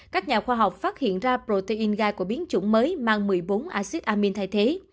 các nhà khoa học phát hiện ra protein gai của biến chủng mới mang một mươi bốn acid amin thay thế